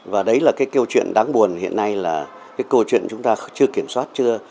và đấy là cái câu chuyện đáng buồn hiện nay là cái câu chuyện chúng ta chưa kiểm soát chưa